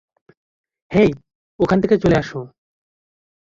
হেই, ওখান থেকে চলে আসো।